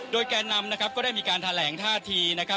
โดยแก่นำก็ได้มีการแถลงท่าที